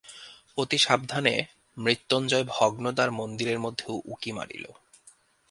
অতি সাবধানে মৃত্যুঞ্জয় ভগ্নদ্বার মন্দিরের মধ্যে উঁকি মারিল।